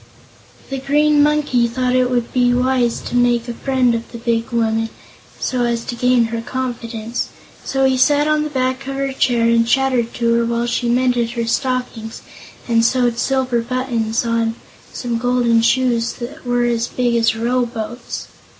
The Green Monkey thought it would be wise to make a friend of the big woman, so as to gain her confidence, so he sat on the back of her chair and chattered to her while she mended her stockings and sewed silver buttons on some golden shoes that were as big as row boats.